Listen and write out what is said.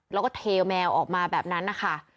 แล้วก็เทแมวออกมาแบบนั้นนะคะ